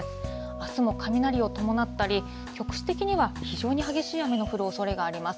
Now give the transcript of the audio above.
あすも雷を伴ったり、局地的には非常に激しい雨の降るおそれがあります。